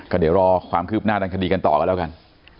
ก็เดี๋ยวรอความคืบหน้าทางคดีกันต่อกันแล้วกัน